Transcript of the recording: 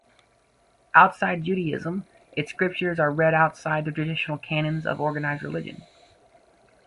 Outside Judaism, its scriptures are read outside the traditional canons of organised religion.